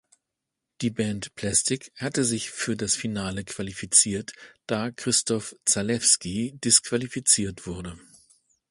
Die Band "Plastic" hatte sich für das Finale qualifiziert, da "Krzysztof Zalewski" disqualifiziert wurde.